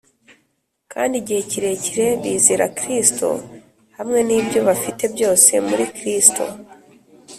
kandi igihe kirekire bizera Kristo (hamwe n'ibyo bafite byose muri Kristo).